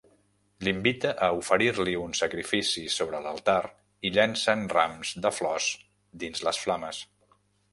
L'invita a oferir-li un sacrifici sobre l'altar i llencen rams de flors dins les flames.